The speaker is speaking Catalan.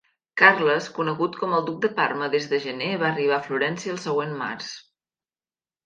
Carles, conegut com el Duc de Parma des de gener, va arribar a Florència el següent març.